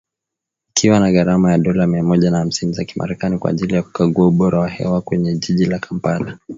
Ikiwa na gharama ya dola mia moja na hamsini za kimarekani kwa ajili ya kukagua ubora wa hewa kwenye jiji la Kampala.